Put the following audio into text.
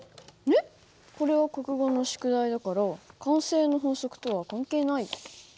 えっこれは国語の宿題だから慣性の法則とは関係ないよ。